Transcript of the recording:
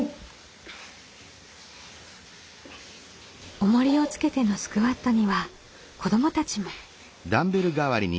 おもりをつけてのスクワットには子どもたちも。